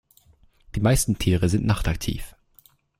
Die meisten Tiere sind nachtaktiv.